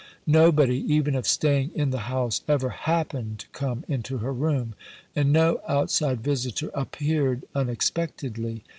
Nobody, even if staying in the house, ever happened to come into her room, and no outside visitor appeared unexpectedly.